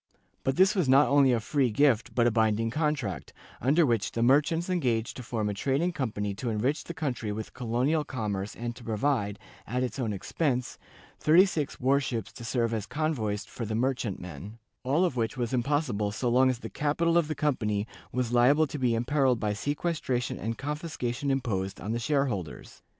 But this was not only a free gift but a binding contract, under which the merchants engaged to form a trading company to enrich the country with colonial commerce and to provide, at its own expense, thirty six war ships to serve as convoys for the merchantmen, all of which was impossible so long as the capital of the company was liable to be imperilled by sequestration and confiscation imposed on the shareholders.